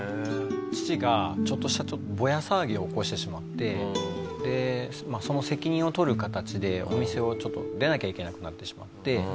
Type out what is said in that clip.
父がちょっとしたボヤ騒ぎを起こしてしまってでその責任を取る形でお店を出なきゃいけなくなってしまって。